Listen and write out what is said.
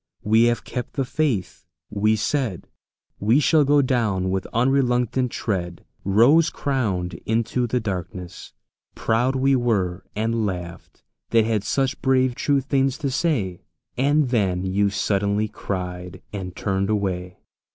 We have kept the faith!" we said; "We shall go down with unreluctant tread Rose crowned into the darkness!" ... Proud we were, And laughed, that had such brave true things to say. And then you suddenly cried, and turned away.